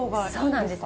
そうなんです。